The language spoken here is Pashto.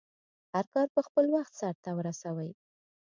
هرکار په خپل وخټ سرته ورسوی